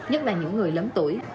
nhất là những người lớn tuổi